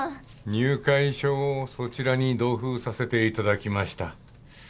入会書をそちらに同封させていただきました。